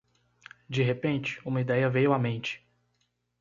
De repente, uma ideia veio à mente